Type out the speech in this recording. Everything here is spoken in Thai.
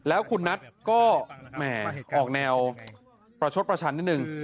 แล้วคุณนัทก็แหมออกแนวประชดประชันนิดนึง